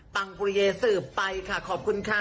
ปังปุเยสืบไปค่ะขอบคุณค่ะ